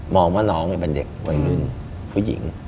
ว่าน้องเป็นเด็กวัยรุ่นผู้หญิง